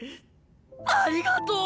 ありがとう！